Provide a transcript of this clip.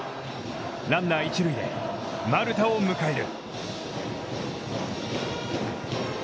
ランナー一塁で、丸田を迎える。